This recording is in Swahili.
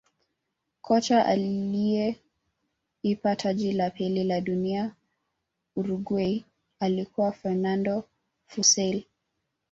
kocha aliyeipa taji la pili la dunia Uruguay alikuwa fernando fussile